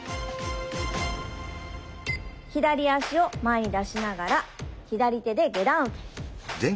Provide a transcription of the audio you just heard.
左足を前に出しながら左手で下段受け。